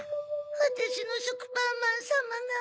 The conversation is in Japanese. わたしのしょくぱんまんさまが。